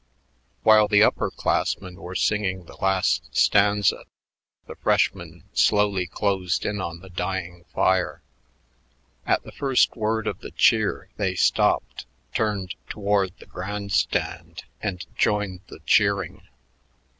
While the upper classmen were singing the last stanza the freshmen slowly closed in on the dying fire. At the first word of the cheer, they stopped, turned toward the grand stand, and joined the cheering.